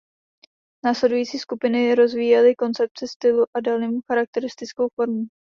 Následující skupiny rozvíjely koncepci stylu a daly mu charakteristickou formu.